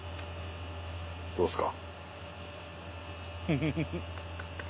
どうですか？